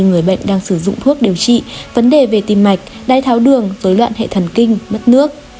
người bệnh đang sử dụng thuốc điều trị vấn đề về tim mạch đai tháo đường dối loạn hệ thần kinh mất nước